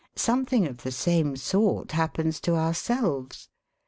Something of the same sort happens to ourselves.